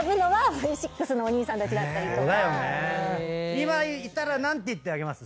今いたら何て言ってあげます？